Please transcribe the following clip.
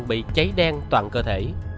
bị cháy đen toàn cơ thể